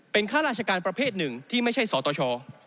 เป็นข้าราชการประเภทหนึ่งที่ไม่ใช่สตช